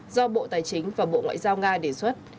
do bộ tài chính và bộ ngoại giao nga đề xuất